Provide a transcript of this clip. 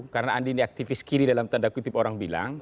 karena andi ini aktivis kiri dalam tanda kutip orang bilang